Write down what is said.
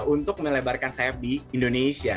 untuk melebarkan sayap di indonesia